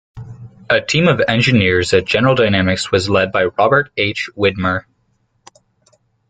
A team of engineers at General Dynamics was led by Robert H. Widmer.